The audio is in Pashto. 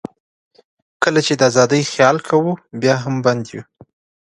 کله چې د آزادۍ خیال کوو، بیا هم بند یو.